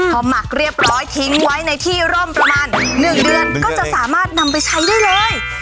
พอหมักเรียบร้อยทิ้งไว้ในที่ร่มประมาณ๑เดือนก็จะสามารถนำไปใช้ได้เลย